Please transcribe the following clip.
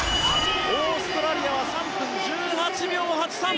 オーストラリアは３分１８秒８３。